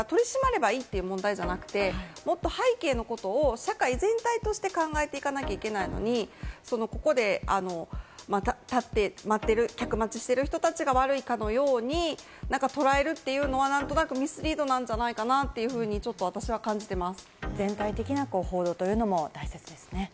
だから取り締まればいいという問題ではなくて、背景のことを社会全体として考えていかなきゃいけないのに、ここで立って待っている、客待ちしている人たちが悪いかのように捉えるというのは何となくミスリードなんじゃないかなと、私は感じています。